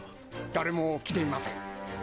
誰も来ていません。